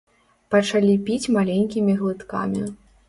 Пачалі піць маленькімі глыткамі.